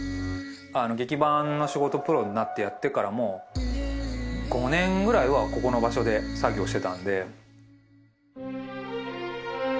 劇伴の仕事プロになってやってからも５年くらいはここの場所で作業してたんで。